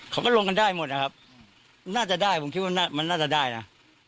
เขาก็ลงกันได้หมดนะครับน่าจะได้ผมคิดว่ามันน่าจะได้นะ